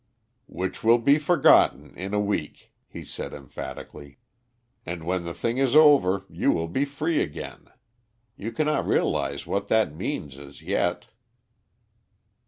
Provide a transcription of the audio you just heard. "Which will be forgotten in a week," he said emphatically. "And when the thing is over you will be free again. You cannot realize what that means as yet."